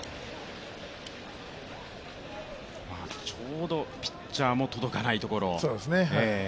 ちょうどピッチャーも届かないところ。